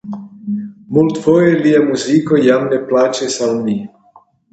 Multfoje lia muziko jam ne plaĉis al mi.